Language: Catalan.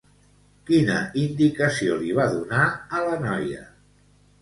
Quina indicació li va donar a la noia?